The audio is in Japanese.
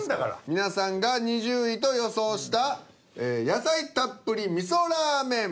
皆さんが２０位と予想した野菜たっぷり味噌ラーメン